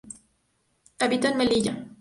Habita en Melilla.